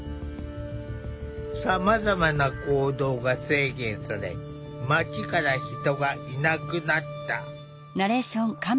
さまざまな行動が制限され街から人がいなくなった。